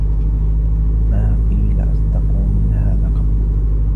ما قيل أصدق من هذا قط.